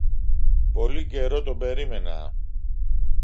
Πολύν καιρό τον περίμενα